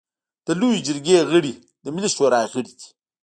د لويې جرګې غړي د ملي شورا غړي دي.